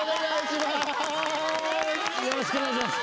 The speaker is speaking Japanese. よろしくお願いします。